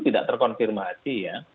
tidak terkonfirmasi ya